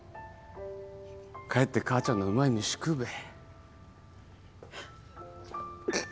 帰って母ちゃんのうまい飯食うべ。